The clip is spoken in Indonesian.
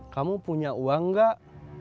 kamu punya uang gak